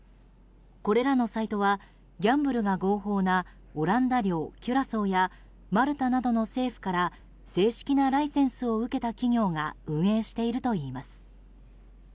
これらのサイトはギャンブルが合法なオランダ領キュラソーやマルタなどの政府から正式なライセンスを受けた企業が運営しているといいます。